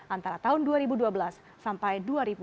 antara tahun dua ribu dua belas sampai dua ribu dua puluh